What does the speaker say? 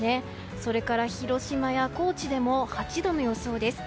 それから広島や高知でも８度の予想です。